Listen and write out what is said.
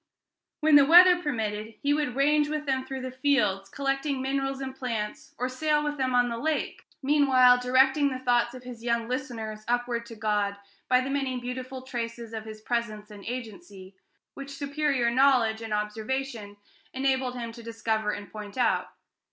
When the weather permitted, he would range with them through the fields, collecting minerals and plants, or sail with them on the lake, meanwhile directing the thoughts of his young listeners upward to God, by the many beautiful traces of his presence and agency, which superior knowledge and observation enabled him to discover and point out.